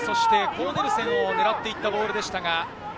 コーネルセンを狙っていったボールでしたが。